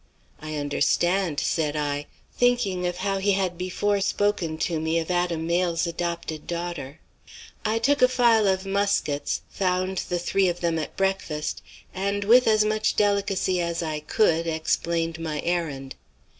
"I understand!" said I, thinking of how he had before spoken to me of Adam Mayle's adopted daughter. "I took a file of Musquets, found the three of them at breakfast, and, with as much delicacy as I could, explained my errand.